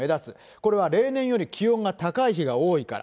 これは例年より気温が高い日が多いから。